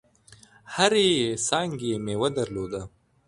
هرې څانګي یې مېوه درلوده .